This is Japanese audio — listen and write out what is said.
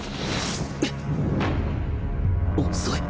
遅い！